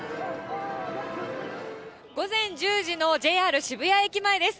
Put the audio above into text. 午前１０時のＪＲ渋谷駅前です。